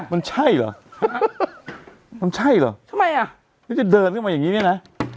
เออมันใช่หรอมันใช่หรอทั้งไหนอ่ะ